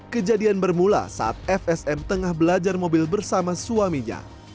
kejadian bermula saat fsm tengah belajar mobil bersama suaminya